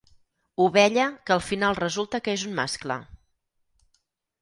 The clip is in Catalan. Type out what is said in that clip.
Ovella que al final resulta que és un mascle.